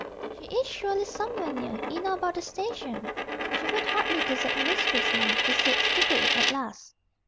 "She is surely somewhere near, in or about the station. She would hardly desert her mistress now," he said, stupidly, at last.